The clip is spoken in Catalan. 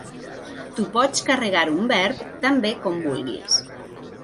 Tu pots carregar un Verb tan bé com vulguis.